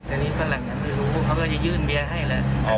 แต่นี่ฝรั่งไม่รู้เขาก็จะยื่นเบียร์ให้แหละ